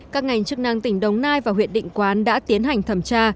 các ngành chức năng tỉnh đồng nai và huyện định quán đã tiến hành thẩm tra